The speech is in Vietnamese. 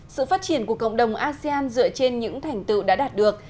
sự phát triển của cộng đồng asean dựa trên những thành tựu đã đạt được